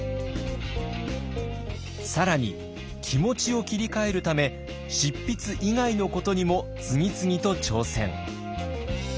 更に気持ちを切り替えるため執筆以外のことにも次々と挑戦。